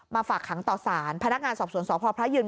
ฝากขังต่อสารพนักงานสอบสวนสพพระยืน